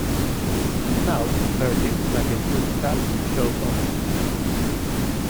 And now, Bertie, like a good chap, shove off.